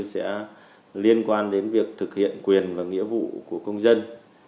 sẽ liên quan đến việc thực hiện quyền và nghĩa vụ của công dân